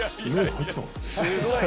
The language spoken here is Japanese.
入ってます。